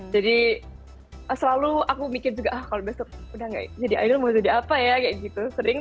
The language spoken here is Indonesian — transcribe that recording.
jadi selalu aku mikir juga kalau besok udah nggak jadi idol mau jadi apa ya kayak gitu sering